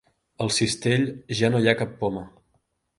Al cistell ja no hi ha cap poma.